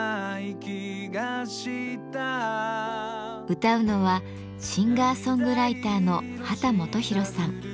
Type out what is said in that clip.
歌うのはシンガーソングライターの秦基博さん。